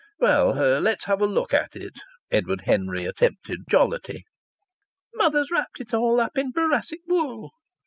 "Well, let's have a look at it." Edward Henry attempted jollity. "Mother's wrapped it all up in boracic wool."